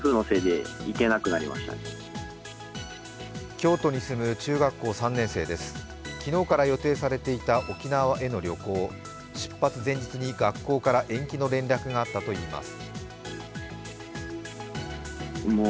京都に住む中学校３年生です昨日から予定されていた沖縄への旅行、出発前日に学校から延期の連絡があったといいます。